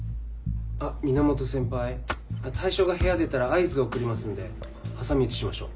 あっ源先輩対象が部屋出たら合図を送りますんで挟み撃ちしましょう。